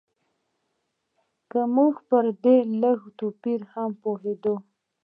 که موږ پر دې لږ توپیر هم پوهېدای.